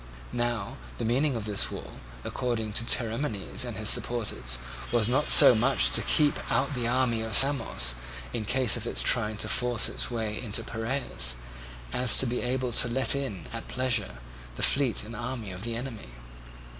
Now the meaning of this wall, according to Theramenes and his supporters, was not so much to keep out the army of Samos, in case of its trying to force its way into Piraeus, as to be able to let in, at pleasure, the fleet and army of the enemy.